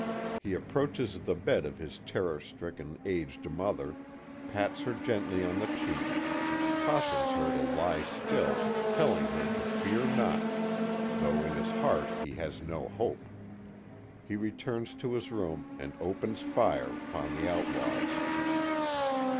He approaches the bed of his terror stricken, aged mother, pats her gently on her cheek, cautions her to lie still, telling her to fear not, though in his heart he has no hope. He returns to his room and opens fire upon the outlaws.